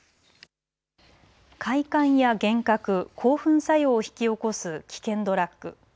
快感や幻覚、興奮作用を引き起こす危険ドラッグ。